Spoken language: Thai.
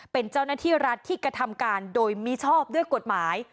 เป็นเจ้าหน้าที่รัฐที่กระทำการโดยมิชอบด้วยกฎหมาย